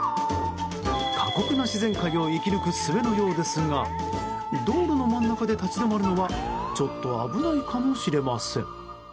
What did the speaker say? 過酷な自然界を生き抜くすべのようですが道路の真ん中で立ち止まるのはちょっと危ないかもしれません。